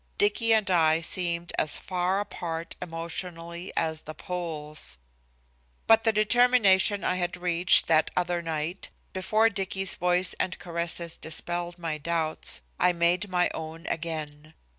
Dicky and I seemed as far apart emotionally as the poles. But the determination I had reached that other night, before Dicky's voice and caresses dispelled my doubts, I made my own again.